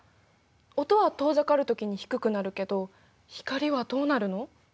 音は遠ざかるときに低くなるけど光はどうなるの？